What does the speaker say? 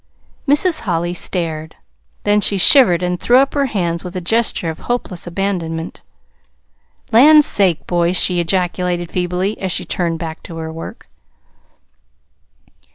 Mrs. Holly stared. Then she shivered and threw up her hands with a gesture of hopeless abandonment. "Land's sake, boy!" she ejaculated feebly, as she turned back to her work.